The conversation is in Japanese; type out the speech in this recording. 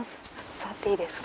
座っていいですか？